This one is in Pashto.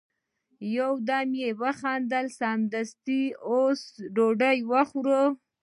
يو دم يې وخندل: سمه ده، اوس ډوډی وخورئ!